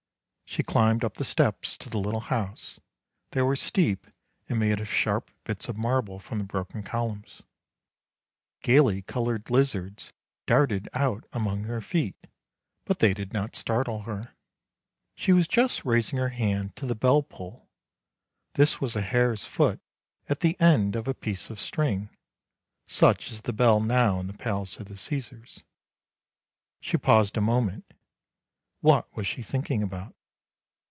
She climbed up the steps to the little house, they were steep and made of sharp bits of marble from the broken columns. Gaily WHAT THE MOON SAW 251 coloured lizards darted about among her feet, but they did not startle her. She was just raising her hand to the bell pull, this was a hare's foot at the end of a piece of string, such is the bell now in the palace of the Caesars. She paused a moment — what was she thinking about?